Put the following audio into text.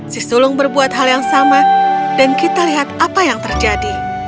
si sulung berbuat hal yang sama dan kita lihat apa yang terjadi